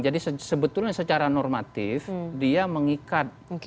jadi sebetulnya secara normatif dia mengikat